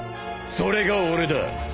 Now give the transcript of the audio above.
それが俺だ。